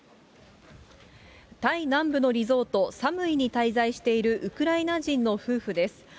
タイ南部のリゾート、サムイに滞在しているウクライナ人の夫婦です。